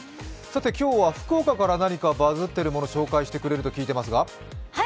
今日は福岡から何かバズってるもの紹介してくれると聞いていますが。